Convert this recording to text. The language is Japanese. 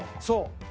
そう。